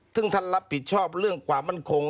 ซึ่งท่านรับผิดชอบเรื่องความมั่นคง